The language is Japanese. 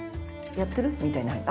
やってる？みたいな。